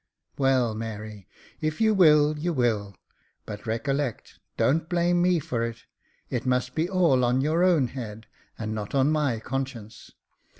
" Well, Mary, if you will, you will ; but recollect, don't blame me for it — it must be all on your own head, and not on my conscience.